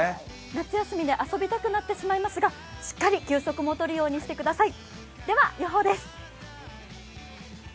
夏休みで遊びたくなってしまいますがしっかり休息もとるようにしてください。